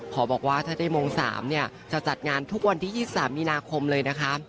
บอกว่าถ้าได้โมง๓เนี่ยจะจัดงานทุกวันที่๒๓มีนาคมเลยนะคะ